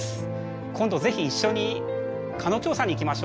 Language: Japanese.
今度是非一緒に蚊の調査に行きましょう。